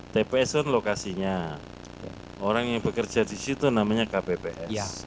tps kan lokasinya orang yang bekerja di situ namanya kpps